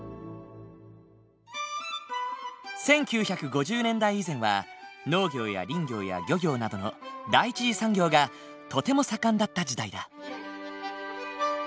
１９５０年代以前は農業や林業や漁業などの第一次産業がとても盛んだった時代だ。